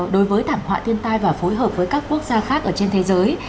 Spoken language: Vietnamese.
đối với thảm họa thiên tai và phối hợp với các quốc gia khác ở trên thế giới